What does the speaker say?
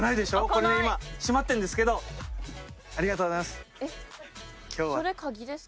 これ今閉まってるんですけどありがとうございます鍵です